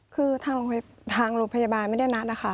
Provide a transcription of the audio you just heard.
คือทางโรงพยาบาลไม่ได้นัดนะคะ